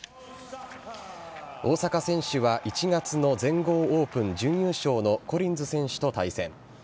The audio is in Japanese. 大坂選手は１月の全豪オープン準優勝のコリンズ選手と対戦。